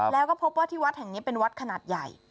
แล้วก็พบว่าที่วัดแห่งนี้เป็นวัดขนาดใหญ่